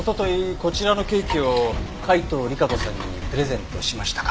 こちらのケーキを海東莉華子さんにプレゼントしましたか？